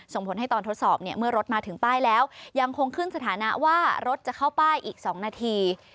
ส่งผลให้ตอนทดสอบเนี่ยเมื่อรถมาถึงป้ายแล้วยังคงขึ้นสถานะว่ารถจะเข้าป้ายอีก๒นาที